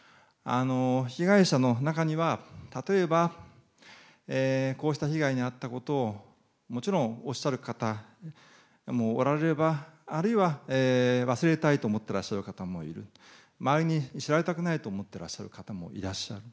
被害者の中には、例えば、こうした被害に遭ったことをもちろんおっしゃる方もおられれば、あるいは忘れたいと思ってらっしゃる方もいる、周りに知られたくないと思っている方もいらっしゃる。